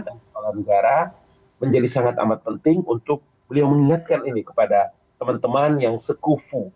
kepala negara menjadi sangat amat penting untuk beliau mengingatkan ini kepada teman teman yang sekufu